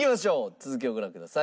続きをご覧ください。